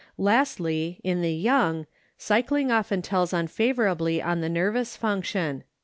Lastly, in the young, cycling often tells unfavorably on the ner vous function.